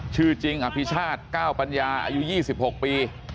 ชื่อจริงอภิชาติ๙ปัญญาอายุ๒๖ปี